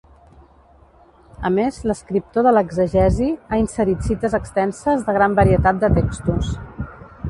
A més, l'escriptor de l'exegesi ha inserit cites extenses de gran varietat de textos.